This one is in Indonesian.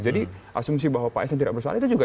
jadi asumsi bahwa pak sn tidak bersalah itu juga